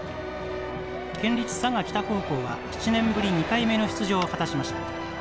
県立佐賀北高校は７年ぶり２回目の出場を果たしました。